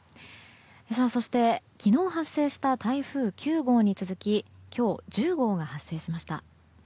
そして、昨日発生した台風９号に続き今日、１０号が発生しました。